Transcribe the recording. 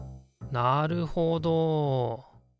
なるほど。